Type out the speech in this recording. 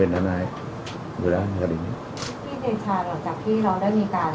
พี่เดชะหลังจากที่เราได้มีการติดตามคุณอาชญาในการตรวจสอบหนุ่มขากมาตั้งแต่ข้อมหาสม